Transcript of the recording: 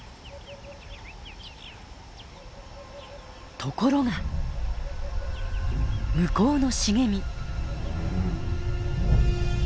ところが向こうの茂み。